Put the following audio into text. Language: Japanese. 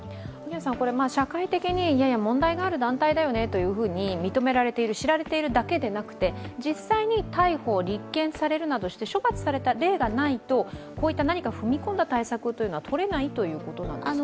これ社会的にやや問題がある団体だよねと認められている、知られているだけではなくて実際に、逮捕・立件されるなどして処罰された例がないと、こういった何か踏み込んだ対策というのはとれないということですか？